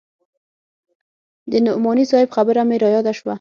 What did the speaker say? د نعماني صاحب خبره مې راياده سوه.